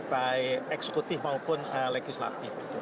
baik eksekutif maupun legislatif